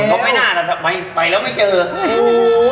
เหมือนก็ไม่น่าแต่ไปแล้วไม่เจอ